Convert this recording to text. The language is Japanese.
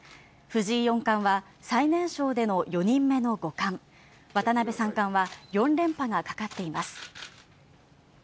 藤井四冠は、最年少での４人目の五冠、渡辺三冠は４連覇がかかっています。